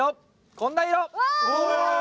こんな色。